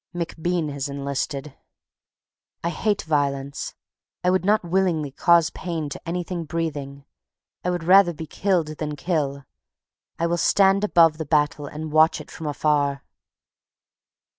... MacBean has enlisted. I hate violence. I would not willingly cause pain to anything breathing. I would rather be killed than kill. I will stand above the Battle and watch it from afar.